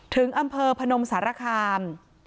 ถึงอำเภอพนมสารคาม